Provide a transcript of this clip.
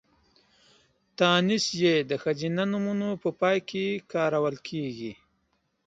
تانيث ۍ د ښځينه نومونو په پای کې کارول کېږي.